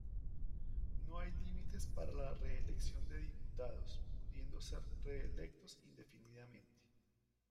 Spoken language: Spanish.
No hay límites para la reelección de diputados, pudiendo ser reelectos indefinidamente.